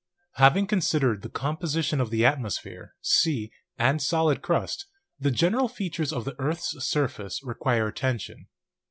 Having considered the composition of the atmosphere, sea, and solid crust, the general features of the earths surface require attention.